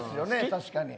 確かに。